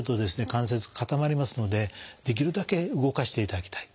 関節固まりますのでできるだけ動かしていただきたい。